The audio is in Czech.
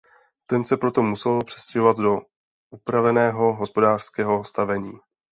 Ten se proto musel přestěhovat do upraveného hospodářského stavení.